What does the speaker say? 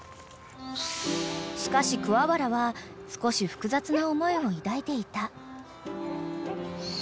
［しかし桑原は少し複雑な思いを抱いていた］